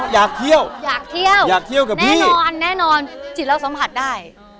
อยากเที่ยวอยากเที่ยวอยากเที่ยวกับแม่แน่นอนแน่นอนจิตเราสัมผัสได้